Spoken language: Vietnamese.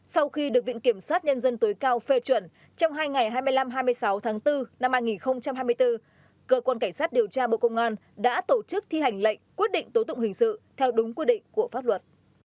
sau khi được viện kiểm sát nhân dân tối cao phê chuẩn trong hai ngày hai mươi năm hai mươi sáu tháng bốn năm hai nghìn hai mươi bốn cơ quan cảnh sát điều tra bộ công an đã tổ chức thi hành lệnh quyết định tố tụng hình sự theo đúng quy định của pháp luật